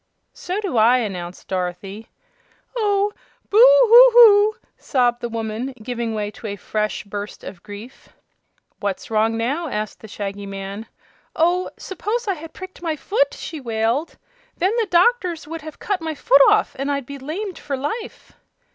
"So do I," announced Dorothy. "Oh, boo hoo hoo!" sobbed the woman, giving way to a fresh burst of grief. "What's wrong now?" asked the Shaggy Man. "Oh, suppose I had pricked my foot!" she wailed. "Then the doctors would have cut my foot off, and I'd be lamed for life!"